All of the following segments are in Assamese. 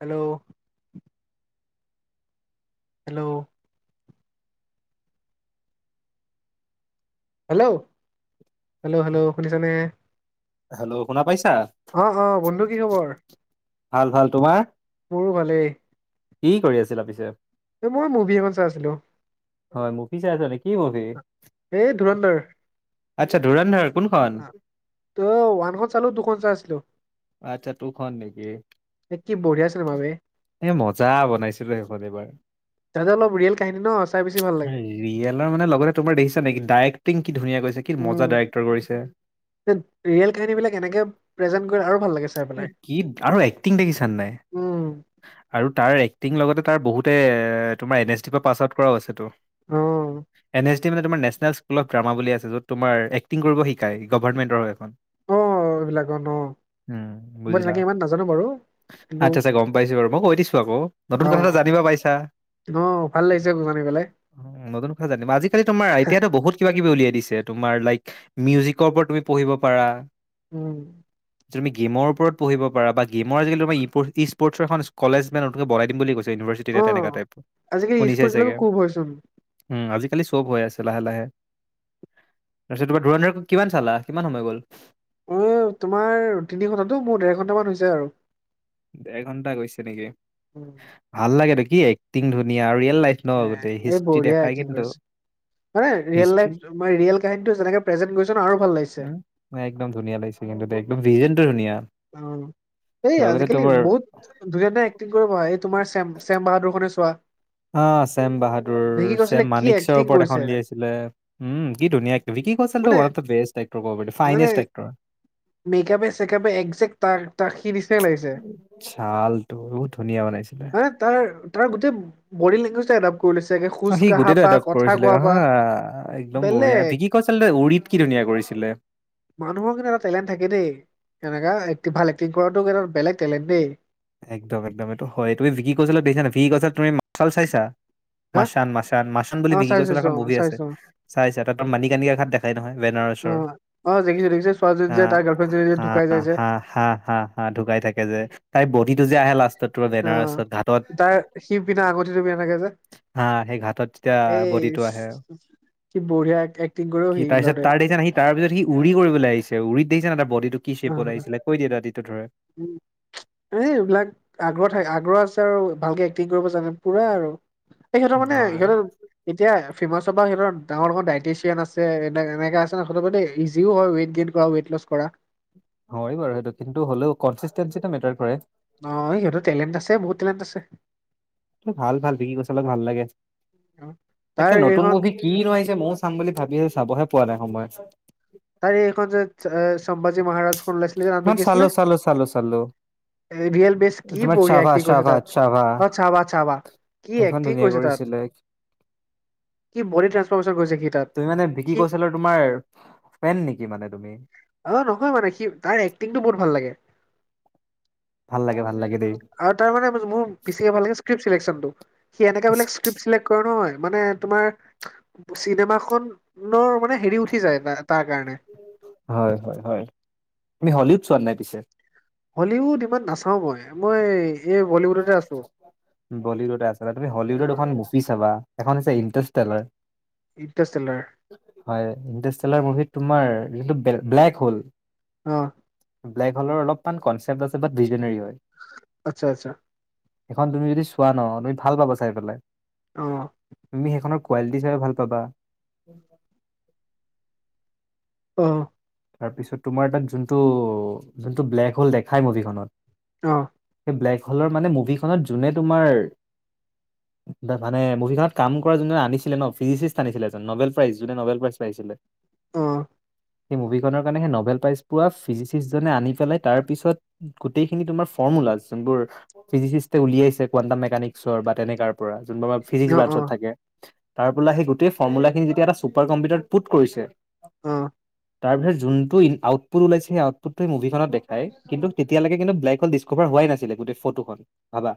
Hello. Hello! Hello hello hello শুনিছা নে? হেল্ল' শুনা পাইছা? অঁ হ বন্ধু কি খবৰ? ভাল ভাল। তোমাৰ? মোৰো ভালেই। কি কৰি আছিলা পিছে? এ মই মুভি এখন চাই আছিলো। হয় মুভি চাই আছা নে কি মুভি? এই ধুৰান্ধৰ। আচ্ছা ধুৰান্ধৰ কোনখন? ত' ওৱানখন চালো টুখন চাই আছিলোঁ। আচ্ছা টুখন নেকি? এ কি বঢ়িয়া চিনেমা বে। এ মজা বনাইছে বে সেইখন এইবাৰ। তাতে অলপ ৰিয়েল কাহিনী ন চাই বেছি ভাল লাগে। ৰিয়েলৰ মানে লগতে তোমাৰ দেখিছা নাই ডাইৰেক্টিং কি ধুনীয়া কৰিছে কি উম। মজা ডাইৰেক্টৰ কৰিছে। ৰিয়েল কাহিনী বিলাক এনেকে প্ৰেজেন্ট কৰে আৰু ভাল লাগে। চাই পেলাই। কি আৰু এক্টিং দেখিছানে নাই উম আৰু তাৰ এক্টিং লগতে তাৰ বহুতে তোমাৰ এন এছ ডিৰ পৰা পাছ আউট কৰাও আছে তো। অঁ। এন এছ ডি মানে তোমাৰ নেশ্বনেল স্কুল অফ ড্ৰামা বুলি আছে, য'ত তোমাৰ এক্টিং কৰিব শিকাই গভাৰ্মেন্টৰ হয় সেইখন। অঁ এইবিলাকত অ মই তেনেকে ইমান নাজানো বাৰু। কিন্তু আচ্ছ আচ্ছা গম পাইছো বাৰু, মই কৈ দিছো আক' নতুন অ কথা এটা জানিব পাইছা। অ ভাল লাগিছে জানি পেলাই। নতুন কথা জানিবা আজিকালি তোমাৰ এতিয়াতো বহুত কিবা কিবি উলিয়াই দিছে তোমাৰ লাইক মিউজিকৰ ওপৰত তুমি পঢ়িব পাৰা। উম। তুমি গেমৰ ওপৰত পঢ়িব পাৰা, বা গেমৰ আজিকালি তোমাৰ ই স্পৰ্টছ এখন কলেজ নতুনকে বনাই দিম বুলি কৈছে। অ ইউনিভাৰচিটি তেনেকুৱা টাইপ, আজিকালি স্পৰ্টছ শুনিচাই বিলাকো চাগে। খুব হয়চোন। উম আজিকালি চব হৈ আছে লাহে লাহে। তাৰপিছত তোমাৰ ধুৰন্ধৰখন কিমান চালা, কিমান সময় গ'ল? উম তোমাৰ তিনি ঘণ্টাটো মোৰ দেৰ ঘণ্টামান হৈছে আৰু। দেৰ ঘন্টা গৈছে নেকি, উম, ভাল লাগেতো কি এক্টিং ধুনীয়া আৰু ৰিয়েল লাইফ ন এ গোটেই এই হিষ্ট্ৰী বঢ়িয়া দেখাই এক্টিং কিন্তু কৰিছে। মানে ৰিয়েল হিষ্ট্ৰী লাইফ মানে ৰিয়েল কাহিনীটো যেনেকে প্ৰেজেন্ট কৰিছে ন আৰু ভাল লাগিছে। মানে একদম ধুনীয়া লাগিছে কিন্তু একদম ভিজনটো ধুনীয়া। অঁ ' এই লগতে আজিকালি তোমাৰ বহুত ধুনীয়া ধুনীয়া এ ক্টিং কৰিব এই তোমাৰ ছেম ছেম বাহাদুৰখনে চোৱা। অঁ, ছেম বাহাদুৰ ভিকি কৌশলে ছেম কি মানেকশ্বৰ এক্টিং ওপৰত কৰিছে এখন উলিয়াইছিলে। উম কি ধুনীয়া এক্টৰ ভিকি কৌশলটো মানে one of the best actor ক'ব পাৰি মানে ফাইনেষ্ট এক্টৰ। মেকআপে চেকআপে এক তাৰ তাৰ সি নিচিনাই লাগিছে। ছালটো বহুত ধুনীয়া বনাইছিলে। হয়নে? তাৰ তাৰ গোটেই বডী লেংগুৱেজটো এডাপ্ট কৰি লৈছেগে অ' সি গোটেইটো এডাপ্ট কৰিছিলে হা। একদম বঢ়িয়া বেলেগ। ভিকি কৌশলে উৰিত কি ধুনীয়া কৰিছিলে। মানুহৰ কিন্তু এটা টেলেণ্ট থাকে দেই এনেকা এক ভাল এক্টিং কৰাটো কিন্তু এটা বেলেগ টেলেণ্ট দেই। একদম একদম, এইটো হয় তুমি বিকি কৌশলক দেখিছা নাই বিকি কৌশলৰ তুমি মাছাল চাইছা? হা মাছান মাছান মাছুম বুলি অ বিকি চাইছো কছলৰ চাইছো এখন অ ম'ভি আছে চাইছো চাই চা তাপৰা মানি কানিয়া ঘাত দেখ নাই নহয় বেনাৰ অ ওচৰত। অ দেখিছো দেখিছো ছোৱালীজনী যে আহ তাৰ গাৰ্লফ্ৰেণ্ডজনী যে হা ঢুকাই যায় যে হা হা হা হা ঢুকাই থাকে যে তাই বডিটো যে আহে লাষ্টত তো অ বেনাৰছত ঘাটত। তাৰ সি পিনে আগতে তুমি এনেকে যে হা সেই ঘাটত যেতিয়া বডিটো আহে। সি বঢ়িয়া এক্টিং কৰেঔ কি সি লৰাটোৱে। তাৰ দেখিছা সি তাৰপিছত সি উৰি কৰিবলৈ আহিছে উৰিত দেখিছানে নাই বডীটো কি অ শ্বেপত আহিছিলে কৈ দিয়া দাতিটো ধৰে। উম এই এইবিলাক আগ্ৰহ থাকে আগ্ৰহ আছে আৰু ভালকে এক্টিং কৰিব জানে পুৰা আৰু তেখেতৰ উম, মানে হয় এতিয়া ফেমাছবা সিঁতৰ ডাঙৰ ডাঙৰ ডাইটিচিয়ান আছে এনে এনেকা আছে ন ইজিও হয় ৱেট গেইন ওৱা উৱেট লচ কৰা। হয় বাৰু সেইটো কিন্তু হ'লেও কনচেষ্টেট যেতিয়া মেটাৰ কৰে। অ' সিহতৰ টেলেণ্ট আছে বহুত টেলেণ্ট আছে। এ ভাল ভাল বিকি কচ'লক ভাল লাগে অ'। তাৰ তাকে নতুন এইখন মুভিক। কি নো আহিছে ময়ো চাম বুলি ভাবি চাবহে পোৱা নাই সময়। তাৰ এইখন যে চম্বাজী মহাৰাজখন ওলাইছিলে যে নামটো এখন কি চালো আছিলে চালো চালো চালো ইভিয়েল বেছ কি তোমাৰ বঢ়িয়া চাভা এক্টং কৰিছে চাভা তাত চাভা অ' চাবা চাবা কি সেইখন এক্টিং ধুনীয়া কৰিছে তাত কৰিছিলে কি বডি ট্ৰানসফাৰ্মচাৰ কৰিছে সি তাত। কি সি কৈছিল তোমাৰ ফেন নিকি মানে তুমি অ' নহয় মানে সি তাৰ এক্টিংটো বহুত ভাল লাগে ভাল লাগে ভাল লাগে দেই আৰু তাৰ মানে মোৰ বেছিকে ভাল লাগে স্কিপ চিলেকচন সি এনেকে বোলে স্কিপ চিলেক্ট কৰে নহয় মানে তোমাৰ চিনেমাখনৰ মানে হেৰি উঠি যায় তা তাৰ কাৰণে হয় হয় হয় তুমি হলিউড চোৱা নাই পিছে হলিউড ইমান নাচাওঁ মই মই এই বলিউডতে আছো বলীউড আছলতে তুমি হলিউডত অ' এখন মুচি চাবা এখন আছে ইণ্টেষ্টেলৰ ইনটেচষ্টেলাৰ হয় ইনষ্টেটেলৰ মুভিত তোমাৰ ব্লে ব্লেক হল অ' ব্লেক হলৰ অলপমান কনচেপ্ট আছলতে বিজেনেৰি হয়। আচ্ছা আচ্চা। সেখন তুমি যদি চোৱা ন তুমি ভাল পাবা চাই পেলাই। অঁ তুমি সেইখনৰ কোৱালিটি চাই ভাল পাবা [unintelligible] অঁ তাৰপিছত তোমাৰ তাক যোনটো যোনটো ব্লেক হ'ল দেখাই মুভিখনত অ সেই ব্লেক হ'লৰ মানে মুভিখনত যোনে তোমাৰ [inaudible] মানে মুভিখনত কাম কৰা যোনে আনিছিলে ন ফিজিচিষ্ট আনিছিলে এজন নবেল প্ৰাইজ যোনে নবেল প্ৰাইজ পাইছিলে। অ সেই মুভিখনৰ কাৰণে সেই নভেল প্ৰাইজ পোৱা ফিজিচিষ্টজনে আনি পেলাই তাৰ পিছত গোটেইখিনি তোমাৰ ফৰ্মুলা যোনবোৰ ফিজিচিষ্টে উলিয়াইছে কোৱাণ্টাম মেকানিকছৰ বা তেনেকাৰ পৰা যোনবোৰ ফিজিক্স অ', বাৰছত থাকে তাৰ পৰা সেই গোটেই ফৰ্মুলাখিনি যেতিয়া এটা ছুপাৰ কম্পিউটাৰত পুট কৰিছে অ তাৰপিছত যোনটো আউটপুট ওলাইছে সেই আউটপোটটোৱে মুভিখনত দেখাই কিন্তু তেতিয়ালৈকে কিন্তু বিল্লেগ হ'ল ক'বাৰ হোৱাই নাছিলে গোটেই ফটোখন ভাবা।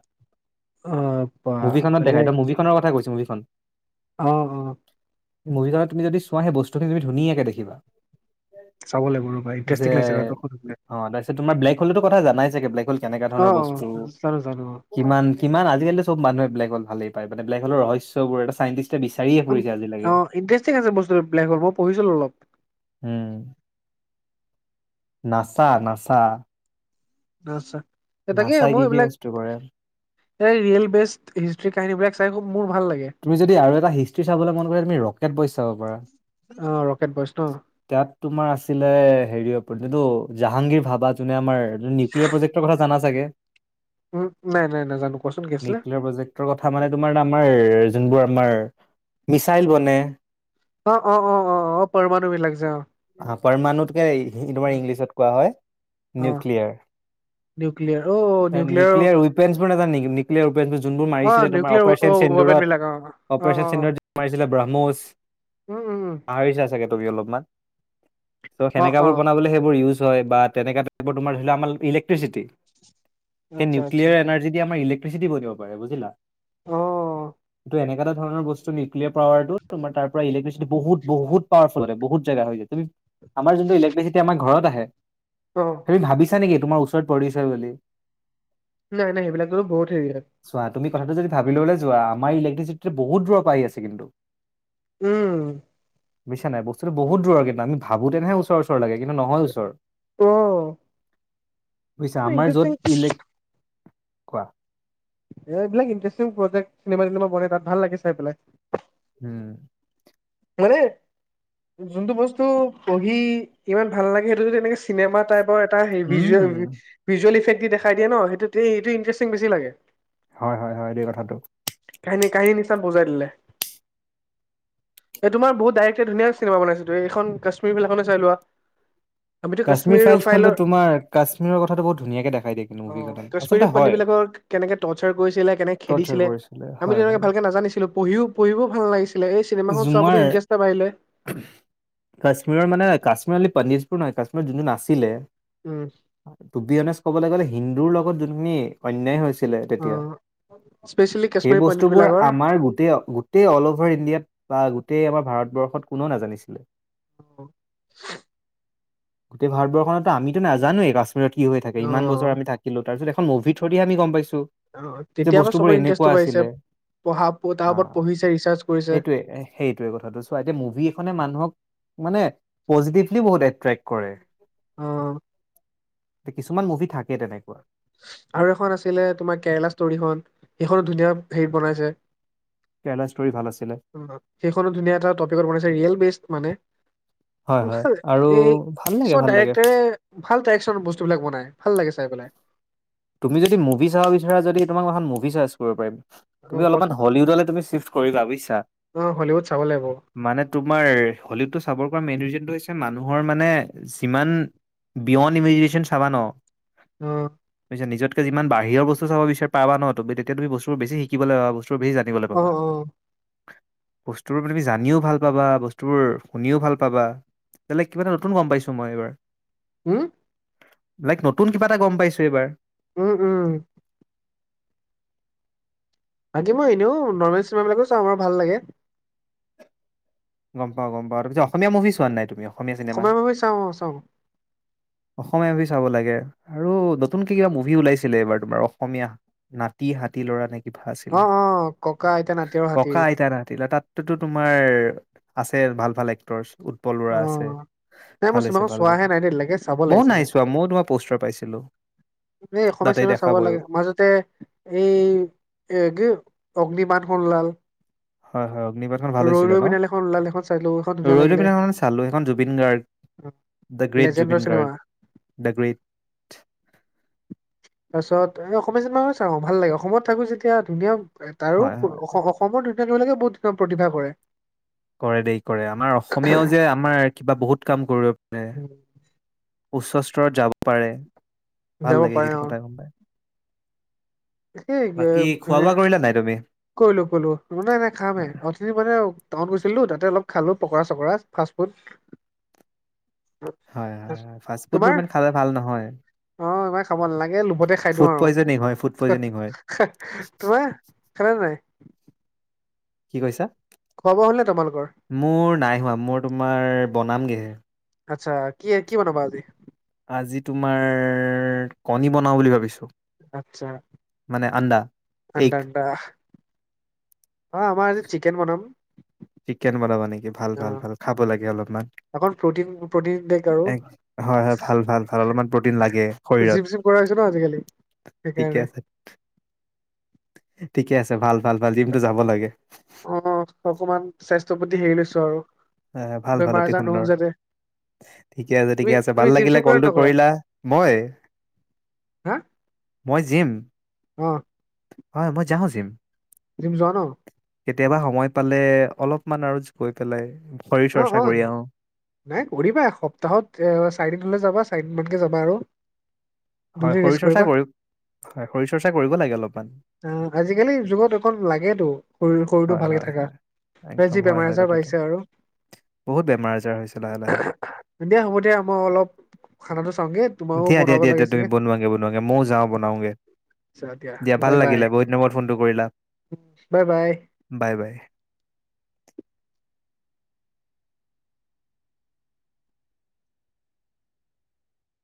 অ', বা মুভিখনত দেখাই বেলেগ ত মুভি খনৰ কথা কৈছো মুভিখন- অ অ মভিখনত তুমি যদি চোৱা সেই বস্তুখিনি তুমি ধুনিয়াকে দেখিবা চাব লাগব ৰ ভাই যে ইণ্টাৰেষ্টিং লাগলে - অ তাৰপিছত তোমাৰ ব্লেক হোলতো কথা জানাই চাগে ব্লেগ হল কেনেকা অ', ধৰণৰ বস্তু? অ', জানো জানো কিমান কিমান আজিকালি চব মানুহে ব্লেক হল ভালেই পায় মান ব্লেক হল ৰহস্যবোৰ এ সাইন্তিষ্ট তেয়া বিচাৰিয়ে অ', পৰিছে আজিলৈকে অ', ইণ্টাৰেষ্টিং আ বস্তুটো ব্লে হ'লই পঢ়িসিলো অলপ উম নাচা নাচা আচছা তাকে নাছাই মই কি কি এইবিলাক- বস্তু কৰে এই ৰিয়েল বেষ্ট হিষ্টি কাহিনী বিলাক চাই খুব মোৰ ভাল লাগে তুমি যদি আৰু এটা হিষ্ট্ৰ্ৰী চাবলৈ মন কৰে তুমি ৰকেট বইচ চাব পাৰা অ', ৰকেট বইচ ন নাম তোমাৰ আছিলে হেৰি অপটো জাহাংগীৰ ভাবা যোনে আমাৰ নিউক্লিয়াৰ প্ৰজেক্তৰ কথা জনা ছাগে? উম নাই নাই নাই নাজানো কোৱাচোন কি আছিলে নিউক্লিয়াৰ প্ৰজেক্টৰ কথা মানে তোমাৰ আমাৰ যোনবোৰ আমাৰ মিছাইল বনে অ অ অ অ অ পৰমানাণৱী লাক যে অ অ পৰমাণুতকে তোমাৰ ইংলিছত কোৱা হয় অ', নিউক্লিয়াৰ নিউক্লিয়াৰ অ নিউক্লিয়াৰ ৰেন নজনা নেকি নিক্লিয়াৰ যোনবোৰ অ মাৰিছিলে তোমাৰ নিউক্লিয়াৰ অপাৰচন ৱেপন চেন্দডুৰত বিলাক অ অ অ অপাৰেচন মাৰিছিলে ব্ৰাহ্মোচ উম উম উম আহৰিছা চাগে তুমি অলপমান? চ' অ অ সেনেককাবোৰ বনাবলৈ সেইবোৰ ইউজ হয় বা তেনেককা টাইপ তোমাৰ ধৰি ল আমাৰ ইলেক্ট্ৰিচিটি সেই আচ্ছা আচ্ছা নিউক্লিয়াৰ এনাৰ্জি দি আমাৰ ইলেক্ট্ৰিচিটি বনিব পাৰে বুজিলা অ এনেক এটা ধৰণ বস্তু নিউক্লিয়াৰ পাৱাৰত তমাৰ পৰা ইলেক্ট্ৰিচিটি বহুত বু পাৱাৰফুল বহুত আমাৰ জোনটো ইলেক্ট্ৰিচিটি আমাৰৰত আহে অ তুমি ভাবছা নেকি তোমাৰ ওচৰত পৰিছে বুলি নাই নাই সেইবিলাকতো বহুত হেৰিয়াত চোৱা তুমি কথাটো যদি ভাব লবলৈ যোৱা আম ইলেক্ট্ৰিচিটি বহুত দূৰ প আহ আছে কিন্তু উম বুজিছা নাই বস্তুটো বহুত দূৰ কিন্তু আমি ভাবোঁতেহে ওচৰ ওচৰ লাগে কিন্তু নহয় ওচৰ অ বুজিছা আমাৰ ইণ্টাৰেষ্টিং য'ত ইলেক্ কোৱা- এইবিলাক ইণ্টাৰেষ্টিং প্ৰজেক্ চিনেমা চিনেমা বনে তাত ভাল লাগে চাই পেলাই। উম মানে যোনটো বস্তু পঢ়ি ইমান ভাল লাগে সেইটো যদি এনেকে চিনেমা টাইপ পৰ এটা উম ভিজুৱেল ইফ্টেটি দি দেখাই দিয়ে ন সেইটো সেইটো ইনটেৰেষ্টিং বেছি লাগে। হয় হয় হয়দেই কথাটো। কাহিনী কাহিনীচান বজাই দিলে। এ তোমাৰ বহুত ডাইৰেক্টই ধুনীয়া চিনেমা বনাইছে এইখন কাশ্মীৰ বিলাখনে চাই লোৱা। আমিতো কাশ্মীৰ ফাইলছখনতো ফাইলৰ তোমাৰ কাশ্মীৰৰ কথাটো বহুত ধুনীয়াকে দেখাই দিয়ে কিন্তু অঁ অঁ মুভিখনত কাশ্মীৰী আচলতে পানী হয় বিলাকক কেনেকে টৰ্চাৰ কৰিছিলে কেনেকে টৰ্চাৰ খেদিছিলে কৰিছিলে আমিটো হয় হয় তেনেকে ভালকে নাজানিছিলোঁ পঢ়িও পঢ়িবও ভাল নালাগিছিল। কেলে এই চিনেমাখন চাবো জুমাৰ ইণ্টেৰেষ্ট এটা বাঢিলে। কাশ্মীৰৰ মানে কাশ্মীৰ অলি পনিজপুৰ নহয় কাশ্মীৰ যোন যোন আছিলে উম। টুবি অনেজ কবলে গ'লে হিন্দুৰ লগত যোনখিনি অন্যায় হৈছিলে অ তেতিয়া স্পেচিয়েলি সেই কাশ্মীৰী পণ্ডিত বস্তুবোৰ বিলাকৰ আমাৰ গোটেই অ গোটেই অল অভাৰ ইণ্ডিয়াত বা গোটেই আমাৰ ভাৰতবৰ্ষত কোনও নাজানিছিলে। [unintelligible] গোটেই ভাৰবৰ্ষতো আমিতো নাজানোৱেই কাশ্মীৰত কি হৈ থাকে ইমান বছৰ আমি থাকিলো। তাৰ পিছত এখন মুভি থ্ৰ দিয়ে আমি গম পাইছো। যে তেতিয়া পা বস্তুবোৰ চবৰে এনেকুৱা ইণ্টেৰেষ্টটো বাঢ়িছে আছিলে পঢ়া তাৰ হা ওপৰত পঢ়িছে ৰিচাৰ্চ কৰিছে। সেইটোৱে সেইটোৱে কথাটো চোৱা এতিয়া মুভি এখনে মানুহক মানে পজিটিভলি বহুত এট্ৰেক্ট কৰে। অ কিছুমান মুভি থাকে তেনেকুৱা। আৰু এখন আছিলে তোমাৰ কেৰেলা ষ্টৰিখন সেইখনো ধুনীয়া হেৰিত বনাইছে। কেৰেলা ষ্টৰি ভাল আছিলে। সেইখনো ধুনীয়া এটা টপিকত বনাইছে ৰিয়েল বেচ মানে। হয় হয় ভাল আৰু এই ভাল লাগে কিছুমান ভাল লাগে ডাইৰেক্টৰে ভাল টাইপচনত বস্তুবিলাক বনাই ভাল লাগে চাই পেলাই। তুমি যদি মুভি চাব বিচাৰা যদি তোমাক এখন মুভি চাৰ্চ কৰিব পাৰিম। তুমি অ কচোন অলপমান হলিউডলৈ তুমি চিফ্ট কৰিবা বুইছা। অ', হলিউড চাব লাগিব অ', মানে তোমাৰ হলিউডটো চাব পৰা মেইন ৰিজনটো হৈছে মানুহৰ মানে যিমান বিয়ণ্ড ইমিজিনেশ্যন চাবা ন ট্ৰট। পিছে নিজতকে যিমান বাহিৰ বস্ত চাব বিচাৰি পাবা ন তুমি তেতিয়া তুমি বস্তুবোৰ বেছি শিকিবলে পাবা বস্তু বেছি যা নিবলে অ', পাবা। অ', সুস্তেল বুলি জানিও ভাল পাবা বস্তুবোৰ শুনিও ভাল পাবা। বেলেগ কিবা এটা নতুন গম পাইছো মই এইবাৰ। হুম। লাইক নতুন কিবা এটা গম পাইছো এইবাৰ। উম উম। বাকীবোৰ এনেও নৰ্মেল চিনেমাবিলাকো চাওঁ বাৰু ভাল লাগে। গম পাওঁ গম পাওঁ তাপিছত অসমীয়া মুভি চোৱা নাই তুমি অ অসমীয়া মভি চাওঁ অঁ চাওঁ। অসমীয়া মুভি চাব লাগে আৰু নতুনকে কিবা মুভি ওলাইছিলে এইবাৰ তোমাৰ অসমীয়া। নাতি হাতী লৰা নে কিবা আছিলে অ', অ', ককা আইতা নাতি আৰু হাতী ককা আইতা নাহাতিলে তাত তোটো তোমাৰ আছে ভাল ভাল এক্টৰ। পল বৰা আছে অ', নাই ভাল মই হৈছে চিনেমাখন ভালে যাওঁ। চোৱাহে নাই দেই লাগে চাব লাগিছিলে ময়ো তোমাৰ পষ্টাৰ পাইছিলো। এই অসমীয়া তাতেই চিনেমা দেখা চাব পায় লাগে মাজতে এই এ কি অগ্নি বান সলাল হয় হয় অগ্নিপাটখন ভাল হৈছিলে ন বিনালে এখন ওলাল সেইখন চালো সেইখন ধুনীয়া ৰৈ ৰৈ লাগিলে বিনালে খন চালো চালো সেইখন জুবিন গাৰ্গ দ গ্ৰেট লেজেণ্ডৰ Zubeen cinema Garg the great তাৰপাছত এ অসমীয়া যেন মানুহ চাওঁ ভাল লাগে অসমত থাকো যেতিয়া ধুনীয়া তাৰো হয় হয় সমৰ দুন ধৰিলৈকে বহুত প্ৰতিভা কৰে কৰে দেই কৰে আমাৰ অসমীয়াও যে আমাৰ কিবা বহুত কাম কৰিব পাৰে উম উচ্চ স্তৰত যাব পাৰে যাব ভাল লাগে পাৰে সখিনি অ কথা গম পাই সেই বাকী খোৱা বোৱা কৰিলা নাই তুমি কলো কলো ম নাই নাই খামেই হয় মানে টাউন গৈছিলো তাতে অপ খালো পকৰা চকৰা ফাষ্ট ফুড হয় হয় হয় ফাষ্ট ফুড বোৰ তোমাৰ ইমান খালে ভাল নহয় অ ইমান খাব নালাগে লোভতে খাই দিওঁ ফুড আৰু পয়জনিং হয় ফুড পয়জনিং হয় [unintelligible] কি কৈছা খুৱা বোৱা হ'লে তোমালোকৰ মোৰ নাই হোৱা মোৰ তোমাৰ বনামগেহে। আচ্ছা কিহে কি বনাবা আজি? আজি তোমাৰ কণী বনাওঁ বুলি ভাবিছোঁ। আচ্ছা। মানে আন্দা এগ। [unintelligible] হয় আমাৰ আজি চিকেন বনাম। চিকেন বনাবা নেকি ভাল অ ভাল ভাল খাব লাগে অলপমান অকণ প্ৰটিন প্ৰটিন দেক আৰু হয় হয় ভাল ভাল ভাল অলপমান প্ৰটিন লাগে শৰীৰত জিম চিম কৰা হৈছে ন আজিকালি ঠিকে সেইকাৰণে। আছে ঠিকে আছে ভাল ভাল ভাল জিমটো যাব লাগে। অ অকমান স্বাস্থ্যৰ প্ৰতি হেৰি লৈছো আৰু। এ ভাল ভাল বেমাৰ অতি আজাৰ নহওক সুন্দৰ। যাতে ঠিকে আছে তুমি ঠিকে আছে ভাল তুমি জিম লাগিলে চিম কৰা নে কলটো নকৰা কৰিলা। মই? হা মই জিম? অ। হয় মই যাওঁ জিম্। জিম জোৱা ন? কেতিয়াবা সময় পালে অলপমান আৰু গৈ পেলাই শৰীৰ অ', চৰ্চা অ', কৰি আহো। নাই কৰিবা এসপ্তাহত চাৰিদিনলৈ যাবা চাৰিদিন মানকে যাবা আৰু। হয় দুদিন ৰেষ্ট শৰীৰ চৰ্চা কৰিবা। কৰিম হয় শৰীৰ চৰ্চা কৰিব লাগে অলপমান। অ আজিকালি যুগত এখন লাগেতো। শৰীৰ শৰীৰটো হয়, ভালকে হয়, হয়। থাকা একদম যি হয়, বেমাৰ হয় আজাৰ কথাটো। বাঢ়িছে আৰু। বহুত বেমাৰ আজাৰ হৈছে লাহে লাহে। দে হ'ব দিয়াঅলপ খানাটো চাওঁগে। তোমাৰো দিয়া দিয়া বনাব দিয়া লাগে দিয়া তুমি চাগে। বনোৱাগে বনোৱাগে ময়ো যাওঁ বনাওগে আচ্ছা দিয়া। ভাল বাই বাই, লাগিলে বহুত দিনৰ মূৰত ফোনটো কৰিলা বাই বাই। Bye bye.